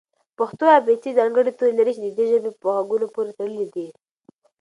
پښتو ابېڅې ځانګړي توري لري چې د دې ژبې په غږونو پورې تړلي دي.